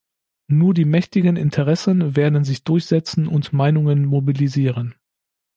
Nur die mächtigen Interessen werden sich durchsetzen und Meinungen mobilisieren.